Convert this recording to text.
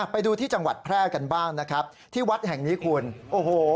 ไปดูที่จังหวัดแพร่กันบ้างนะครับที่วัดแห่งนี้คุณโอ้โห